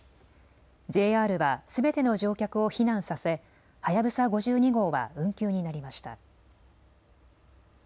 ＪＲはすべての乗客を避難させはやぶさ５２号は運休になりました。